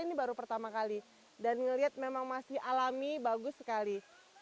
ini baru pertama kali dan ngelihat memang masih alami bagus sekali